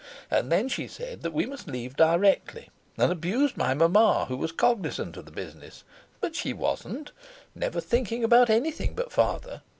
And then she said that we must leave directly, and abused my mamma who was cognizant of the business; but she wasn't never thinking about anything but father.